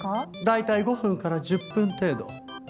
大体５分から１０分程度。